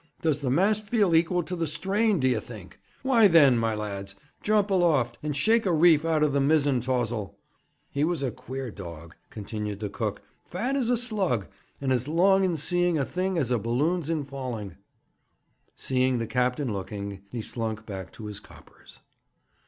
Does the mast feel equal to the strain, d'ye think? Why, then, my lads, jump aloft, and shake a reef out of the mizzen taws'l." He was a queer dawg,' continued the cook 'fat as a slug, and as long in seeing a thing as a balloon's in falling.' Seeing the captain looking, he slunk back to his coppers.